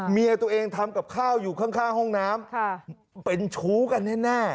เมียตัวเองทำกับข้าวอยู่ข้างห้องน้ำเป็นชู้กันแน่